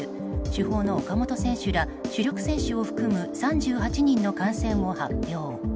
主砲の岡本選手ら主力選手を含む３８人の感染を発表。